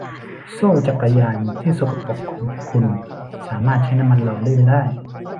โซ่จักรยานที่สกปรกของคุณสามารถใช้น้ำมันหล่อลื่นได้